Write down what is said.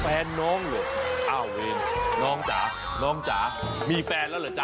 แฟนน้องหรืออ้าววินน้องจ๊ะน้องจ๊ะมีแฟนแล้วเหรอจ๊ะ